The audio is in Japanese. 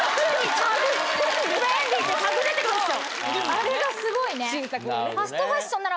あれがすごいね。